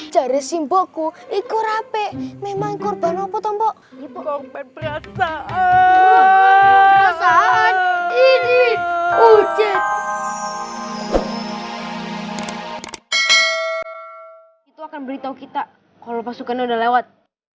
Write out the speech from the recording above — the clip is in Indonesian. cari simbolku ikur hp memang korban apa tombol itu akan beritahu kita kalau pasukan udah lewat